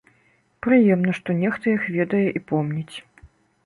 Прыемна, што нехта іх ведае і помніць.